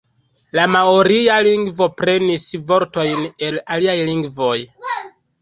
La maoria lingvo prenis vortojn el aliaj lingvoj.